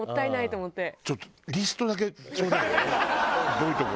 どういうとこ。